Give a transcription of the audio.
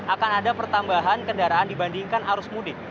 akan ada pertambahan kendaraan dibandingkan arus mudik